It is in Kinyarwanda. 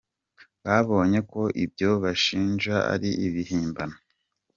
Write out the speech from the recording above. “Babonye ko ibyo banshinja ari ibihimbano.